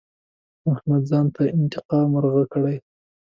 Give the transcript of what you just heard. احمد ځان د انقا مرغه کړی؛